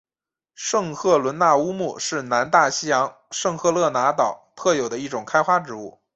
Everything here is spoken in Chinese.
圣赫伦那乌木是南大西洋圣赫勒拿岛特有的一种开花植物。